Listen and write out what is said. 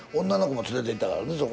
女の子も連れていったからね